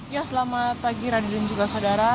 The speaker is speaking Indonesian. ya selamat pagi radi dan juga saudara